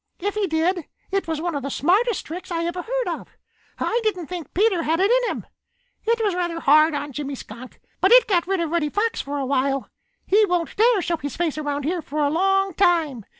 If he did, it was one of the smartest tricks I ever heard of. I didn't think Peter had it in him. It was rather hard on Jimmy Skunk, but it got rid of Reddy Fox for a while. He won't dare show his face around here for a long time.